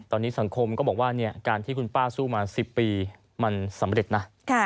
ตอนนี้สังคมก็บอกว่าการที่คุณป้าสู้มา๑๐ปีมันสำเร็จนะ